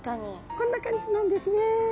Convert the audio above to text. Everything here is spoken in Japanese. こんな感じなんですね。